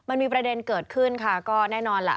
มันมีประเด็นเกิดขึ้นค่ะก็แน่นอนล่ะ